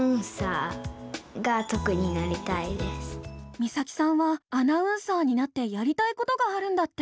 実咲さんはアナウンサーになってやりたいことがあるんだって。